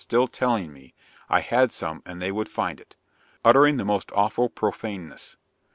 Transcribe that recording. still telling me "I had some and they would find it," uttering the most awful profaneness.